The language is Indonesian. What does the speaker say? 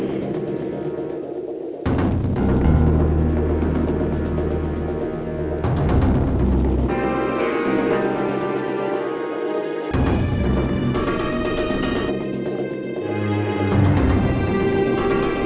ini mod tau itu kayaknya directamente my phone